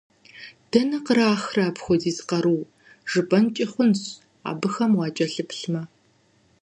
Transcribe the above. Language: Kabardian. Дэнэ кърахрэ апхуэдиз къару жыпIэнкIи хъунщ, абыхэм уакIэлъыплъмэ!